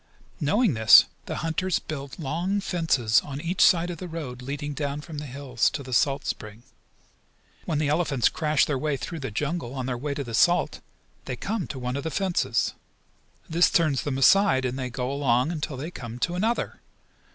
Knowing this the hunters build long fences on each side of the road leading down from the hills to the salt spring. When the elephants crash their way through the jungle, on their way to the salt, they come to one of the fences. This turns them aside, and they go along until they come to another.